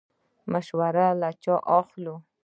مشوره له چا واخلو؟